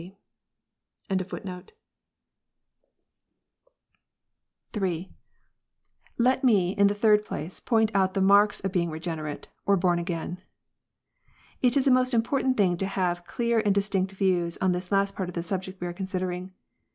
If thou art despised, thoujl 124 KNOTS UNTIED. III. Let me, in the third place, point out the marks of being regenerate, or born again. 0L It is a most important thing to have clear and distinct views ^on this part of the subject we are considering.